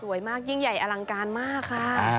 มากยิ่งใหญ่อลังการมากค่ะ